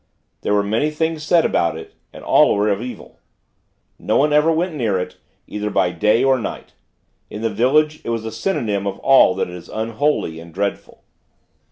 There were many things said about it, and all were of evil. No one ever went near it, either by day or night. In the village it was a synonym of all that is unholy and dreadful.